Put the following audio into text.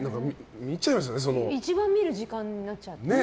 一番見る時間になっちゃってる。